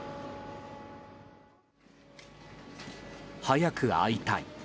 早く会いたい。